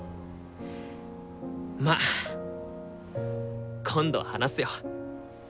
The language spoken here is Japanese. まあ今度話すよ。